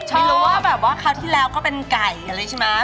ไม่รู้ว่าแบบว่าคราวที่แล้วก็เป็นไก่กันเลยใช่ไหม